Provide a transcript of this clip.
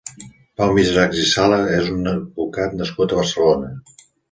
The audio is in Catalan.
Pau Miserachs i Sala és un advocat nascut a Barcelona.